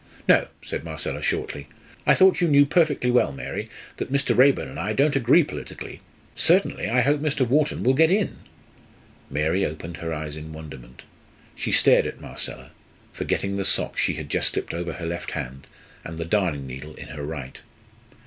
"No," said Marcella, shortly. "I thought you knew perfectly well, Mary, that Mr. Raeburn and I don't agree politically. Certainly, I hope Mr. Wharton will get in!" Mary opened her eyes in wonderment. She stared at Marcella, forgetting the sock she had just slipped over her left hand, and the darning needle in her right.